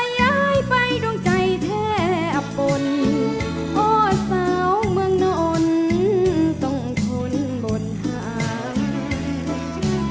ถ้าย้ายไปด้วงใจแท้ปล้นโอ้เสียวเมืองน้ออนต้องทนบนหัง